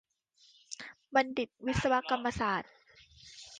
บัณฑิตวิศวกรรมศาสตร์